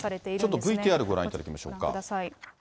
ちょっとＶＴＲご覧いただきましょうか。